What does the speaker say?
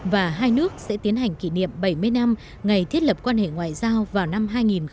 và hai nước sẽ tiến hành kỷ niệm bảy mươi năm ngày thiết lập quan hệ ngoại giao vào năm hai nghìn hai mươi